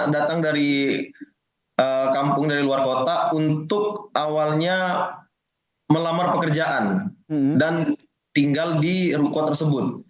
datang dari kampung dari luar kota untuk awalnya melamar pekerjaan dan tinggal di ruko tersebut